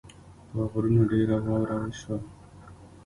په غرونو ډېره واوره وشوه